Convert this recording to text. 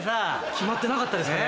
決まってなかったですかね？